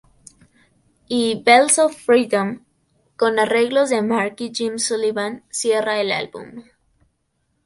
Y, "Bells of Freedom", con arreglos de Mark y Jim Sullivan, cierra el álbum.